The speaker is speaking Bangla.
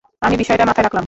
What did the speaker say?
আমি বিষয়টা মাথায় রাখলাম।